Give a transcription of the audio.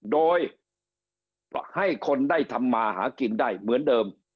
โดยให้คนได้ทำมาหากินได้เหมือนเดิม